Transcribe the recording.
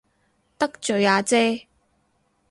得罪阿姐